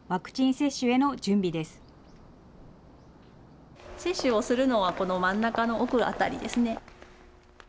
接種をするのはこの真ん中の奥辺りですね。